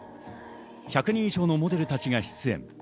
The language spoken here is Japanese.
１００人以上のモデルたちが出演。